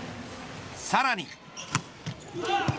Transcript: さらに。